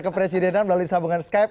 ke presidenan melalui sambungan skype